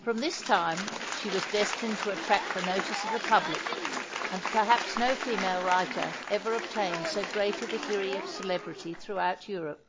From this time she was destined to attract the notice of the public, and perhaps no female writer ever obtained so great a degree of celebrity throughout Europe.